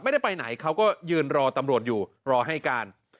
ไม่ได้ไปไหนเขาก็ยืนรอตำรวจอยู่รอให้การ